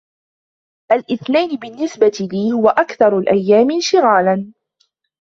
الاثنين -بالنسبة لي- هو أكثر الأيام انشغالًا.